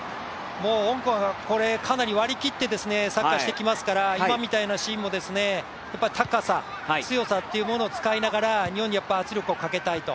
香港、これはかなり割り切ってサッカーをしていきますから今みたいなシーンも高さ、強さというものを使いながら日本に圧力をかけたいと。